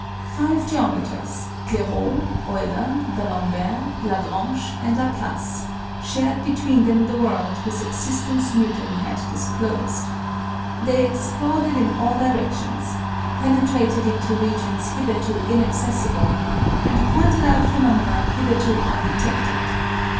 Five geometers Clairaut, Euler, D'Alembert, Lagrange, and Laplace shared between them the world whose existence Newton had disclosed. They explored it in all directions, penetrated into regions hitherto inaccessible, and pointed out phenomena hitherto undetected.